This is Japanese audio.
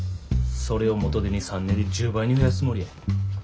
それを元手に３年で１０倍に増やすつもりや。